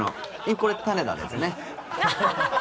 これは種田ですね。